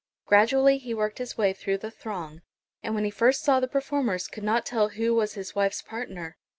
Gradually he worked his way through the throng, and when he first saw the performers could not tell who was his wife's partner.